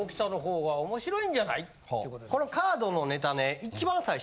このカードのネタね。